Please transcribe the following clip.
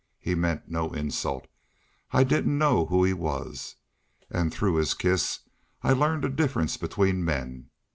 He meant no insult. I didn't know who he was. An' through his kiss I learned a difference between men....